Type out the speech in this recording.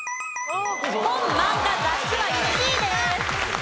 本漫画雑誌は１位です。